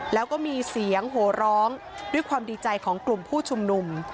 แล้วก็มีเสียงโหร้องด้วยความดีใจของกลุ่มผู้ชุมนุม